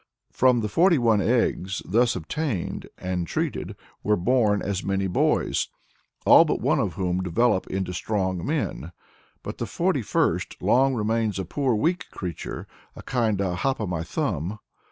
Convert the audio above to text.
From the forty one eggs thus obtained and treated are born as many boys, all but one of whom develop into strong men, but the forty first long remains a poor weak creature, a kind of "Hop o' my thumb."